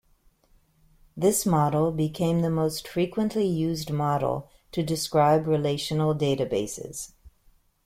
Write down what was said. This model became the most frequently used model to describe relational databases.